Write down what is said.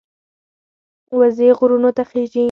وزې غرونو ته خېژي